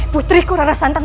putri kura rasantang